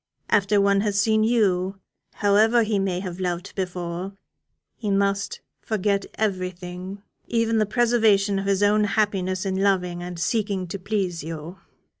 After one has seen you, however he may have loved before, he must forget everything even the preservation of his own happiness in loving and seeking to please you.